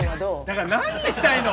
だから何したいの？